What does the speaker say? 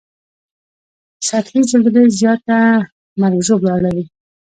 سطحي زلزلې زیاته مرګ ژوبله اړوي